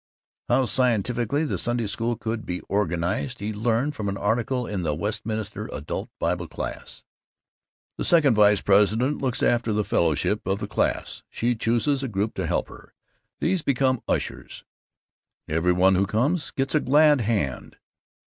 How scientifically the Sunday School could be organized he learned from an article in the Westminster Adult Bible Class: "The second vice president looks after the fellowship of the class. She chooses a group to help her. These become ushers. Every one who comes gets a glad hand.